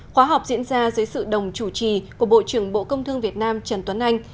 khóa học diễn ra dưới sự đồng chủ trì của bộ trưởng bộ công thương việt nam trần tuấn anh